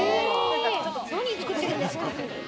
何作ってるんですか？